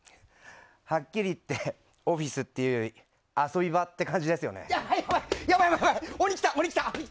はっきり言ってオフィスっていうより遊び場って感じですね。